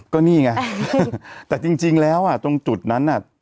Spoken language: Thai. ก็นี่ไงแต่จริงแล้วตรงจุดนั้น